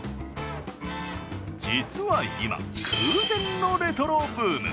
実は今、空前のレトロブーム。